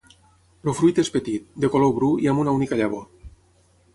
El fruit és petit, de color bru i amb una única llavor.